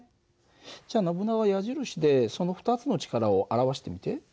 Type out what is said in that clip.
じゃあノブナガ矢印でその２つの力を表してみて。